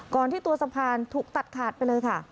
ที่ตัวสะพานถูกตัดขาดไปเลยค่ะ